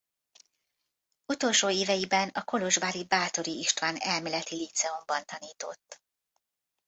Utolsó éveiben a kolozsvári Báthory István Elméleti Líceumban tanított.